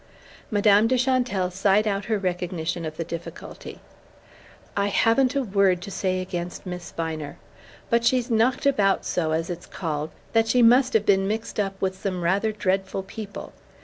Madame de Chantelle sighed out her recognition of the difficulty. "I haven't a word to say against Miss Viner; but she's knocked about so, as it's called, that she must have been mixed up with some rather dreadful people.